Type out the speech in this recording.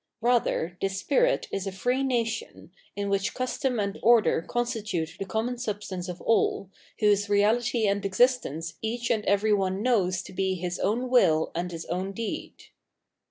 Eather this spirit is a free nation, in which custom and order constitute the common substance of all, whose reahty and existence each and every one knows to be his own will and his o wn deed.